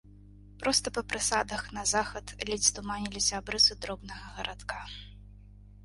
Проста па прысадах на захад ледзь туманіліся абрысы дробнага гарадка.